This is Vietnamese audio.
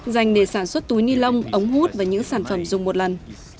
dành để sản xuất túi ni lông ống hút và những sản phẩm dùng một lần